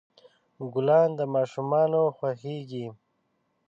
ګلان د ماشومان خوښیږي.